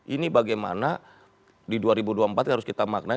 ini bagaimana di dua ribu dua puluh empat harus kita maknai